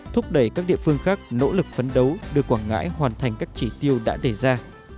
thúc đẩy các địa phương khác nỗ lực phấn đấu đưa quảng ngãi hoàn thành các chỉ tiêu đã đề ra